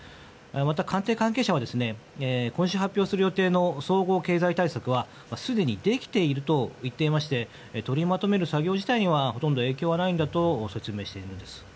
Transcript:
また、官邸関係者は今週発表する予定の総合経済対策はすでにできていると言っていまして取りまとめる作業自体にはほとんど影響がないと説明しているんです。